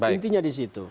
intinya di situ